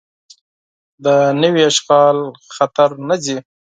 د یو نوي اشغال خطر نه ځي.